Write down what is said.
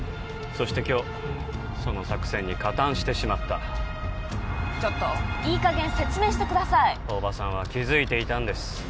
そして今日その作戦に加担してしまったちょっといい加減説明してください大庭さんは気づいていたんです